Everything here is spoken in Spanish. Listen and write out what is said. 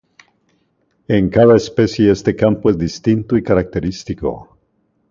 En cada especie este campo es distinto y característico.